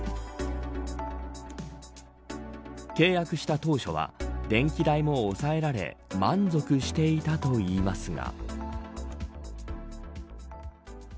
契約した当初は電気代も抑えられ満足していたといいますが。